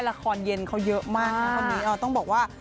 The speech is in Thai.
ละครเย็นเขาเยอะมากนะคนนี้ต้องบอกว่า